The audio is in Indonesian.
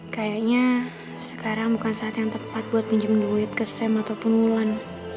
kayaknya sekarang bukan saat yang tepat buat pinjem duit ke sam ataupun ulan